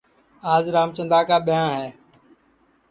آج رامچندا کا ٻیاں ہے